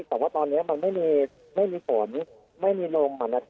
แต่ว่าตอนนี้มันไม่มีฝนไม่มีลม